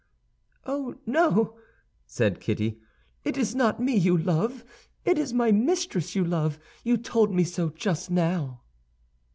"Oh, no," said Kitty, "it is not me you love! It is my mistress you love; you told me so just now."